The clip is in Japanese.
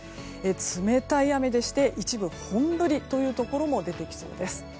冷たい雨で一部本降りのところも出てきそうです。